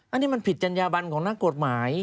อันนี้มันผิดจัญญาบันของนักกฎหมาย